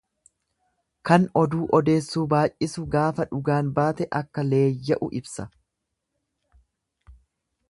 Kan oduu odeessuu baay'isu gaafa dhugaan baate akka leeyya'u ibsa.